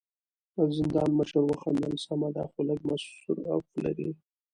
د زندان مشر وخندل: سمه ده، خو لږ مصرف لري.